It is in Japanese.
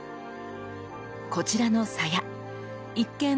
こちらの鞘一見